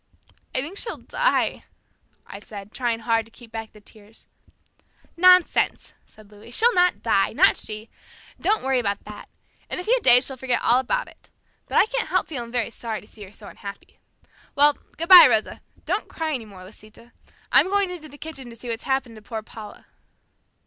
"I think she'll die," I said, trying hard to keep back the tears. "Nonsense," said Louis, "she'll not die! Not she! Don't worry about that. In a few days she'll forget all about it. But I can't help feeling very sorry to see her so unhappy. Well, good bye, Rosa. Don't cry anymore, Lisita. I'm going into the kitchen to see what's happened to poor Paula."